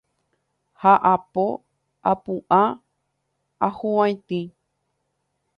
ha apo apu'ã ahuvaitĩ